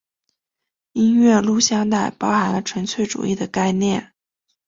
音乐录像带包含纯粹主义的概念。